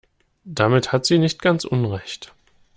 Damit hat sie nicht ganz Unrecht.